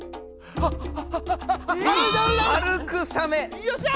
よっしゃ！